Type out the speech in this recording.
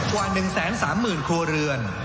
กว่า๑๓๐๐๐ครัวเรือน